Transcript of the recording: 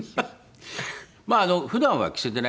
まあ普段は着せてないんですよ。